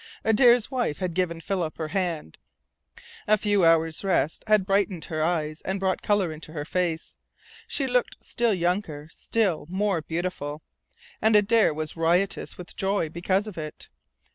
Adare's wife had given Philip her hand. A few hours' rest had brightened her eyes and brought colour into her face. She looked still younger, still more beautiful. And Adare was riotous with joy because of it.